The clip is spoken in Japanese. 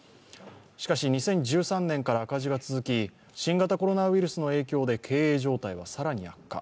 しかし、２０１３年から赤字が続き新型コロナウイルスの影響で経営状態は更に悪化。